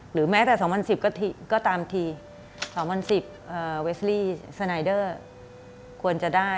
แม้แต่๒๐๑๐ก็ตามที๒๐๑๐เวสลี่สไนเดอร์ควรจะได้